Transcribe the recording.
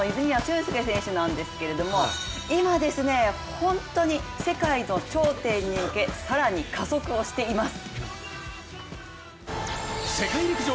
速いですよね、ハードルでメダル候補の泉谷駿介選手なんですけれども今、本当に世界の頂点に向け更に加速をしています。